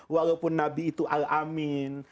walaupun nabi itu al amin